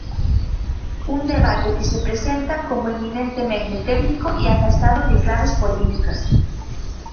Un debate que se presenta como eminentemente técnico e afastado de claves políticas.